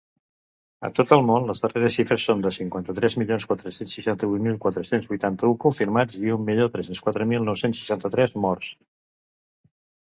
A tot el món, les darreres xifres són de cinquanta-tres milions quatre-cents seixanta-vuit mil quatre-cents vuitanta-un confirmats i un milió tres-cents quatre mil nou-cents seixanta-tres morts.